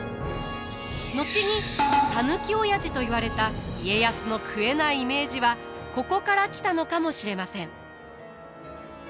後にたぬきオヤジといわれた家康の食えないイメージはここから来たのかもしれません。